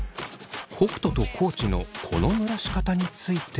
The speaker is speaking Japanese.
北斗と地のこのぬらし方について。